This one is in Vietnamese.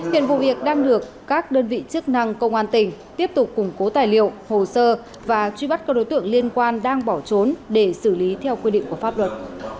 hiện vụ việc đang được các đơn vị chức năng công an tỉnh tiếp tục củng cố tài liệu hồ sơ và truy bắt các đối tượng liên quan đang bỏ trốn để xử lý theo quy định của pháp luật